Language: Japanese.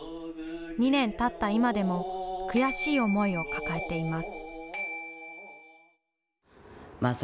２年たった今でも悔しい思いを抱えています。